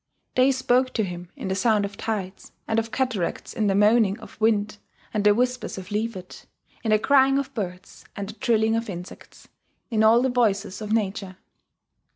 They spoke to him in the sound of tides and of cataracts in the moaning of wind and the whispers of leafage, in the crying of birds, and the trilling of insects, in all the voices of nature.